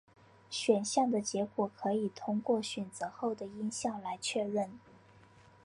选项的结果可以透过选择后的音效来确认。